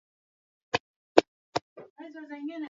Damu katika kamasi puani